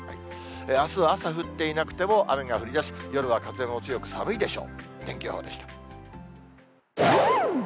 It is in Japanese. あすは朝降っていなくても雨が降りだし、夜は風も強く寒いでしょ